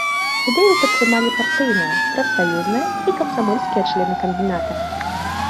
Ідэю падтрымалі партыйныя, прафсаюзныя і камсамольскія члены камбіната.